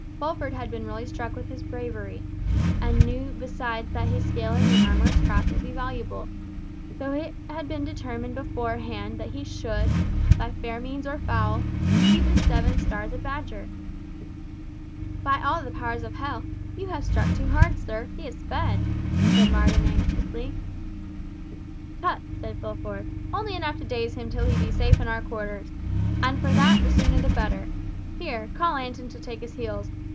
Fulford had really been struck with his bravery, and knew besides that his skill in the armourer's craft would be valuable, so that it had been determined beforehand that he should—by fair means or foul—leave the Seven Stars a Badger. "By all the powers of hell, you have struck too hard, sir. He is sped," said Marden anxiously. "Ass! tut!" said Fulford. "Only enough to daze him till he be safe in our quarters—and for that the sooner the better. Here, call Anton to take his heels.